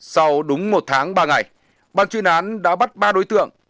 sau đúng một tháng ba ngày ban chuyên án đã bắt ba đối tượng